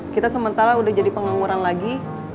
kita sementara udah jadi pengangguran lagi